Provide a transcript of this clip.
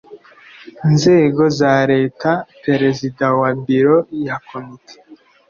nzego za Leta Perezida wa Biro ya Komite